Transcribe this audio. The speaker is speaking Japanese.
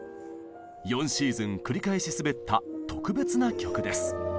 ４シーズン繰り返し滑った特別な曲です。